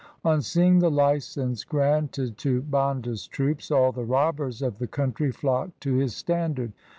On seeing the licence granted to Banda's troops all the robbers of the country flocked to his standard.